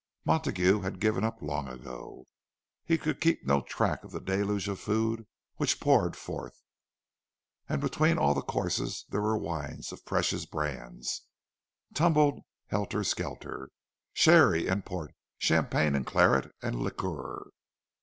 Montague had given up long ago—he could keep no track of the deluge of food which poured forth. And between all the courses there were wines of precious brands, tumbled helter skelter,—sherry and port, champagne and claret and liqueur.